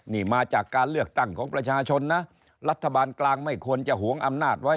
นี่มาจากการเลือกตั้งของประชาชนนะรัฐบาลกลางไม่ควรจะหวงอำนาจไว้